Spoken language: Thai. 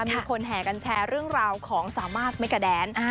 มีคนแห่กันแชร์เรื่องราวของสามารถเมกาแดน